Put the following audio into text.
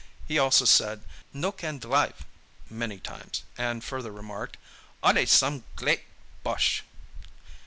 He also said "no can dlive" many times, and further remarked, "Allee same gleat bosh."